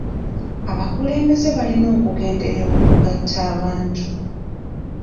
Abakulembeze balina okugenderera okugatta abantu.